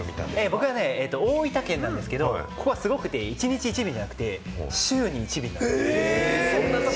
僕は大分県なんですけど、ここはすごくて１日１便じゃなくて、週に１便。